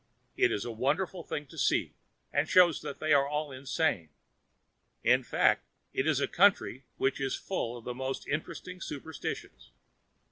It is a wonderful thing to see, and shows that they are all insane. In fact, it is a country which is full of the most interesting superstitions.